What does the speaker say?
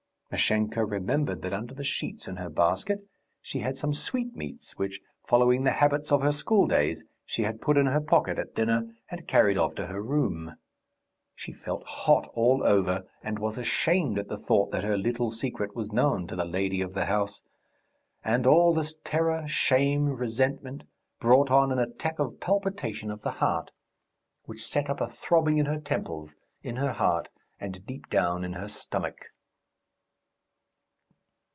Mashenka remembered that under the sheets in her basket she had some sweetmeats, which, following the habits of her schooldays, she had put in her pocket at dinner and carried off to her room. She felt hot all over, and was ashamed at the thought that her little secret was known to the lady of the house; and all this terror, shame, resentment, brought on an attack of palpitation of the heart, which set up a throbbing in her temples, in her heart, and deep down in her stomach.